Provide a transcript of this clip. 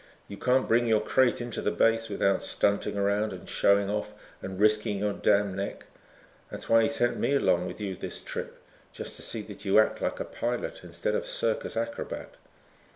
You can't bring your crate in to the base without stunting around and showing off and risking your damn neck. That's why he sent me along with you this trip. Just to see that you act like a pilot instead of circus acrobat."